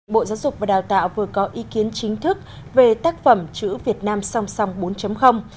bộ giáo dục và đào tạo vừa có ý kiến chính thức về tác phẩm chữ việt nam song song bốn